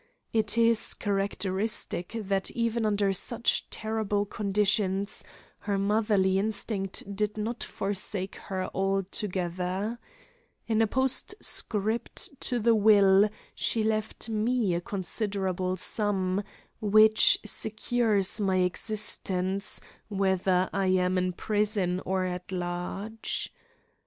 It is characteristic that even under such terrible conditions her motherly instinct did not forsake her altogether; in a postscript to the will she left me a considerable sum, which secures my existence whether I am in prison or at large.